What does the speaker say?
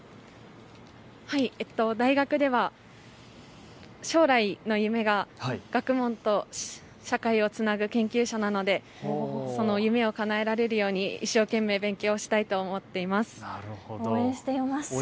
大学では将来の夢が学問と社会をつなぐ研究者なのでその夢をかなえられるように一生懸命、勉強したいと思っています。